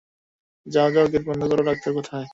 যাও, যাও গেট বন্ধ করো, ডাক্তার কোথায়?